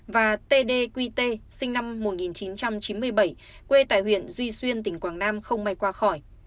và t d q t sinh năm một nghìn chín trăm chín mươi bảy quê tại huyện duy xuyên tỉnh quảng nam không may qua khỏi